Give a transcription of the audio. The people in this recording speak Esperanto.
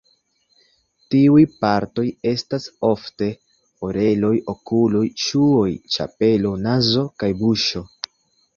Tiuj partoj estas ofte oreloj, okuloj, ŝuoj, ĉapelo, nazo kaj buŝo.